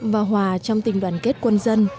và hòa trong tình đoàn kết quân dân